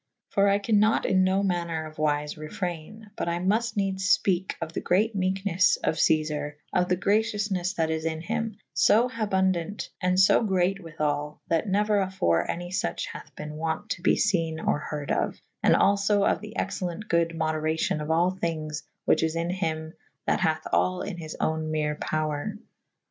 For I can nat in no manner of wyfe refrayne / but I mufte nedes fpeke of the great mekenes of Cezare / of the gra cioufnes that is in hym / fo habundant and fo great withall / that neuer afore any fuche hathe ben wont to be fene or harde of / and alfo of the excellent good moderacyon of all thynges whiche is in hym that hathe [C v b] all in his own mere power.